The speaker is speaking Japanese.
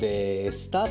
スタート！